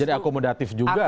jadi akomodatif juga